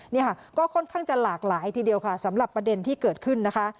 นี่ค่ะก็ค่อนข้างจะหลากหลายทีเดียวค่ะสำหรับประเด็นที่เกิดขึ้นนะคะ